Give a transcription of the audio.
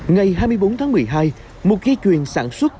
ngày hai mươi bốn tháng một mươi hai một ghi chuyển sản xuất